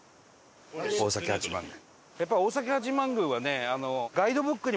大崎八幡宮。